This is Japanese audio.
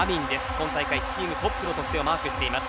今大会チームトップの得点をマークしています。